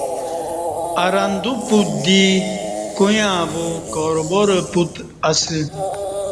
ارندو پت دی کویاں بو کاروبار پت اسہ